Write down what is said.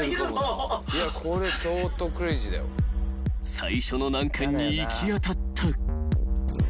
［最初の難関に行き当たった］